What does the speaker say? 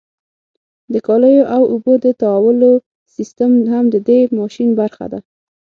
د کالیو او اوبو د تاوولو سیستم هم د دې ماشین برخه ده.